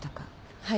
はい。